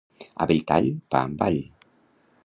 A Belltall... pa amb all.